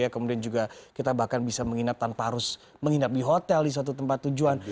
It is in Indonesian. kemudian juga kita bahkan bisa menginap tanpa harus menginap di hotel di suatu tempat tujuan